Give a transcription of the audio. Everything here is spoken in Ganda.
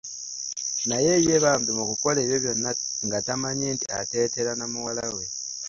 Naye ye bambi mu kukola ebyo byonna nga tamanyi nti ateetera na muwalawe.